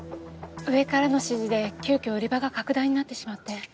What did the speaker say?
上からの指示で急遽売り場が拡大になってしまって。